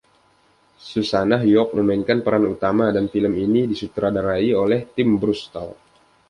Susannah York memainkan peran utama, dan film ini disutradarai oleh Tim Burstall.